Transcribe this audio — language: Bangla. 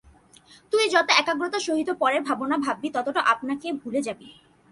তুই যত একাগ্রতার সহিত পরের ভাবনা ভাববি, ততটা আপনাকে ভুলে যাবি।